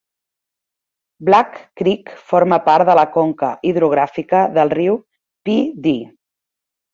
Black Creek forma part de la conca hidrogràfica del riu Pee Dee.